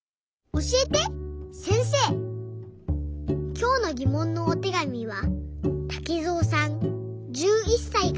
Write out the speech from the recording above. きょうのぎもんのおてがみはたけぞうさん１１さいから。